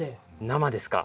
生ですか？